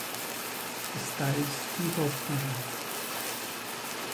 Styles y Rob Terry.